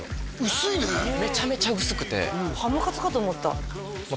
薄いねめちゃめちゃ薄くてハムカツかと思ったまあ